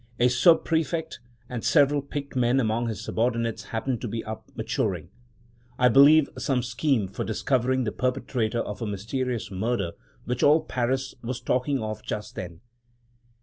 A "Sub prefect," and several picked men among his subordinates, happened to be up, maturing, I believe, some scheme for discovering the perpetrator of a mysterious murder which all Paris was talking of just then.